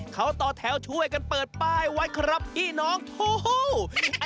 เขาต่อแถวถ้วยกันเปิดป้ายวัดครับอี้น้องโถโฮ